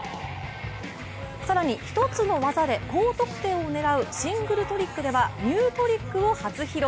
更に、一つの技で高得点を狙うシングルトリックではニュートリックを初披露。